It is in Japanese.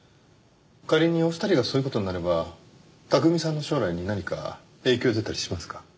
仮にお二人がそういう事になれば巧さんの将来に何か影響出たりしますか？